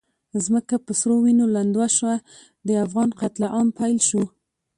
ځمکه په سرو وینو لنده شوه، د افغان قتل عام پیل شو.